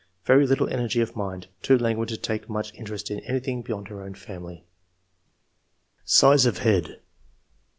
Very little energy of mind ; too languid to take much in terest in anything beyond her own family." SIZE OF HEAD.